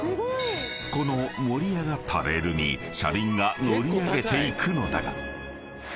［この盛り上がったレールに車輪が乗り上げていくのだが］